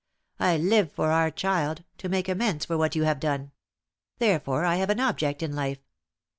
I live for our child to make amends for what you have done. Therefore, I have an object in life.